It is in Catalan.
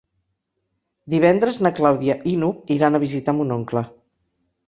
Divendres na Clàudia i n'Hug iran a visitar mon oncle.